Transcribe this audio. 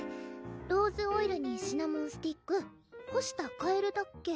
ローズオイルにシナモンスティックほしたカエルだっけ？